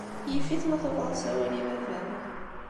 Yif-it ma tuɣeḍ-as awal i baba-m.